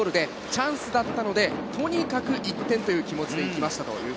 チャンスだったのでとにかく１点という気持ちで打ちました。